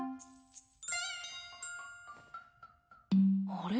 あれ？